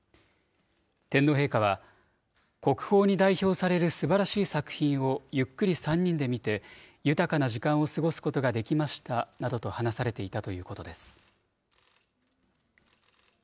天皇陛下は、国宝に代表されるすばらしい作品をゆっくり３人で見て、豊かな時間を過ごすことができましたなどと話されていたということです。